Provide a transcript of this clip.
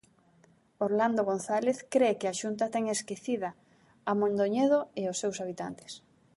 Orlando González cre que a Xunta ten "esquecida", a Mondoñedo e os seus habitantes.